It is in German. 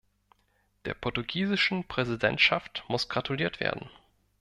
Der portugiesischen Präsidentschaft muss gratuliert werden.